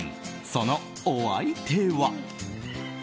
そのお相手は。